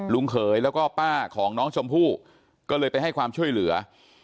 เขยแล้วก็ป้าของน้องชมพู่ก็เลยไปให้ความช่วยเหลือ